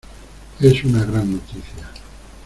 Es una gran noticia.